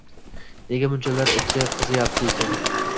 Nega bunchalar ichi qiziyaptiykin